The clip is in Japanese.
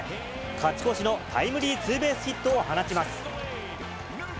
勝ち越しのタイムリーツーベースヒットを放ちます。